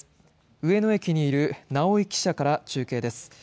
上野駅にいる直井記者から中継です。